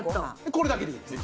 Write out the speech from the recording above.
これだけでいいんです。